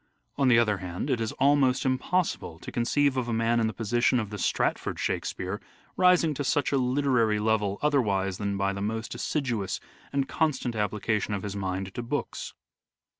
On the other hand it is almost impossible to conceive of a man in the position of the Stratford Shakspere rising to such a literary level otherwise than by the most assiduous and constant application of his mind to books.